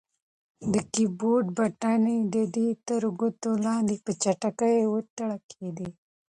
د کیبورډ بټنې د ده تر ګوتو لاندې په چټکۍ وتړکېدې.